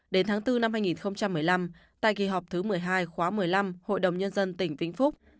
đến tháng bốn năm hai nghìn một mươi năm tại kỳ họp thứ một mươi hai khóa một mươi năm hội đồng nhân dân tỉnh vĩnh phúc